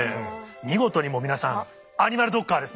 見事にもう皆さんアニマルドッカーです